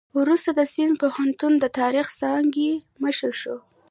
وروسته د سند پوهنتون د تاریخ څانګې مشر شو.